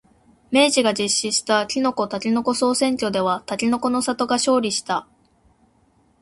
明治が実施したきのこ、たけのこ総選挙ではたけのこの里が勝利した。